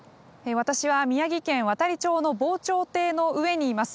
私は、宮城県亘理町の防潮堤の上にいます。